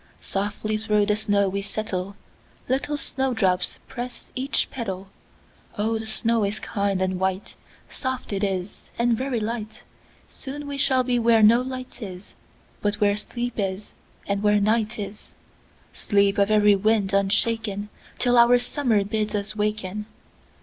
"Softly through the snow we settle, Little snow drops press each petal. Oh, the snow is kind and white,—Soft it is, and very light; Soon we shall be where no light is, But where sleep is, and where night is,—Sleep of every wind unshaken, Till our Summer bids us waken."